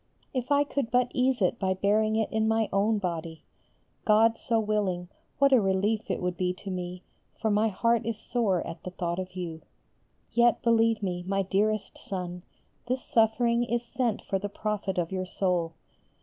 If I could but ease it by bearing it in my own body! God so willing, what a relief it would be to me, for my heart is sore at the thought of you. Yet, believe me, my dearest Son, this suffering is sent for the profit of your soul.